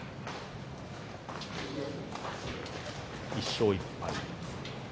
１勝１敗。